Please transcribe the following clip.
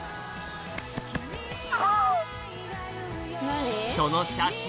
すごい！